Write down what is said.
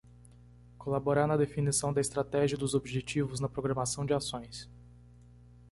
Colaborar na definição da estratégia e dos objetivos na programação de ações.